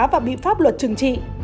và bị pháp luật trừng trị